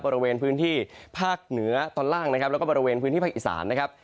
บริเวณพื้นที่ภาคเหนือตอนล่างนะครับแล้วก็บริเวณพื้นที่ภาคอีสานนะครับ